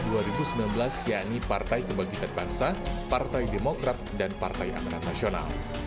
yaitu partai kebangkitan bangsa partai demokrat dan partai amanat nasional